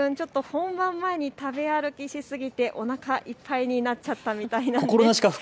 本番前に食べ歩きしすぎておなかいっぱいになっちゃったみたいなんです。